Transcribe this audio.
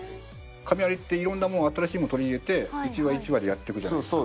『亀有』って色んなもの新しいものを取り入れて１話１話でやっていくじゃないですか。